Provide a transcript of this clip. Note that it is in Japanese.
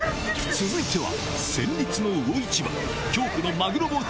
続いては。